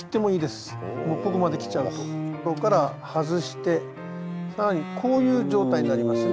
ここから外して更にこういう状態になりますね。